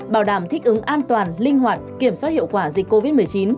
bảo đảm thích ứng an toàn linh hoạt kiểm soát hiệu quả dịch covid một mươi chín